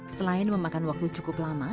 selain memakan waktu cukup lama